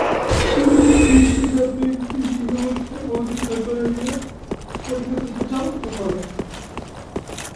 তুমি যদি বিশ্বসমক্ষে আমাকে দাঁড় করাইয়া পরীক্ষা করিতে চাও তো করো।